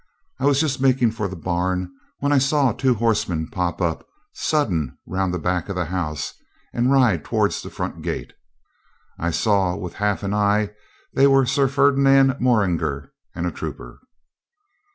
I was just making for the barn when I saw two horsemen pop up sudden round the back of the house and ride towards the front gate. I saw with half an eye they were Sir Ferdinand Morringer and a trooper.